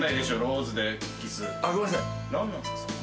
何なんすか！？